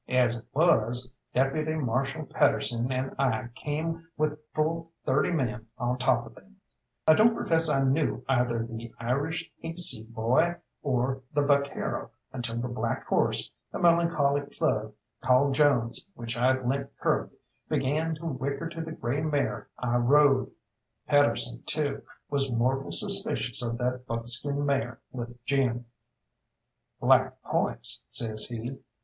As it was, Deputy Marshal Pedersen and I came with full thirty men on top of them. I don't profess I knew either the Irish hayseed boy or the vaquero, until the black horse, a melancholy plug called Jones which I'd lent Curly, began to whicker to the grey mare I rode. Pedersen, too, was mortal suspicious of that buckskin mare with Jim. "Black points," says he.